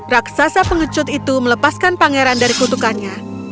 raksasa pengecut itu melepaskan pangeran dari kutukannya